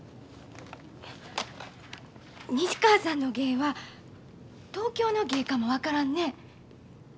西川さんの芸は東京の芸かも分からんね。